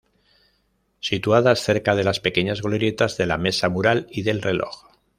Situadas cerca de las pequeñas glorietas de la Mesa Mural y del Reloj.